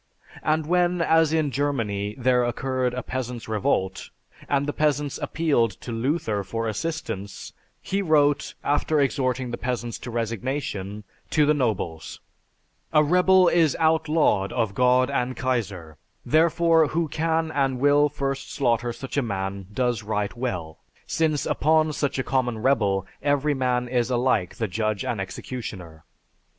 And when, as in Germany, there occurred a peasants' revolt, and the peasants appealed to Luther for assistance, he wrote, after exhorting the peasants to resignation, to the nobles: "A rebel is outlawed of God and Kaiser, therefore who can and will first slaughter such a man does right well, since upon such a common rebel every man is alike the judge and executioner.